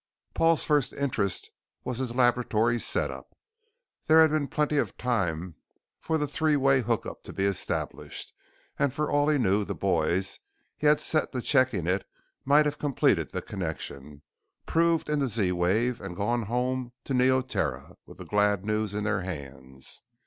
Paul's first interest was his laboratory set up. There had been plenty of time for the three way hookup to be established, and for all he knew the boys he had set to checking it might have completed the connection, proved in the Z wave, and gone home to Neoterra with the glad news in their hands.